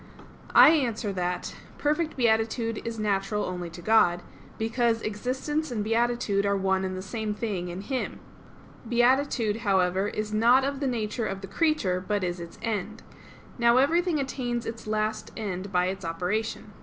I answer that, Perfect beatitude is natural only to God, because existence and beatitude are one and the same thing in Him. Beatitude, however, is not of the nature of the creature, but is its end. Now everything attains its last end by its operation.